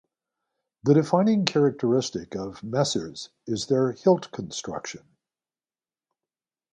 The defining characteristic of messers is their hilt construction.